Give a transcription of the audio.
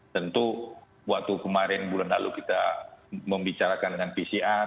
tentu waktu kemarin bulan lalu kita membicarakan dengan pcr